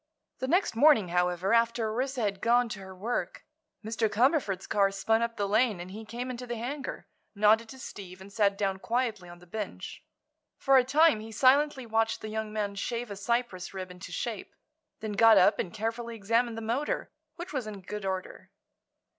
The next morning, however, after Orissa had gone to her work, Mr. Cumberford's car spun up the lane and he came into the hangar, nodded to Steve and sat down quietly on the bench. For a time he silently watched the young man shave a Cyprus rib into shape; then got up and carefully examined the motor, which was in good order.